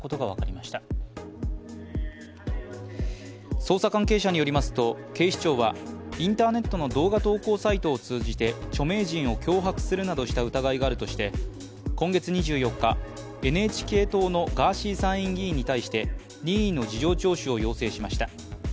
捜査関係者によりますと警視庁は、インターネットの動画投稿サイトを通じて著名人を脅迫するなどした疑いがあるとして今月２４日、ＮＨＫ党のガーシー参院議員に対して任意の事情聴取を要請しました。